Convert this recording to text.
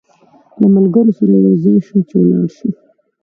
له ملګرو سره یو ځای شوم چې ولاړ شو.